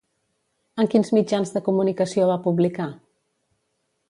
En quins mitjans de comunicació va publicar?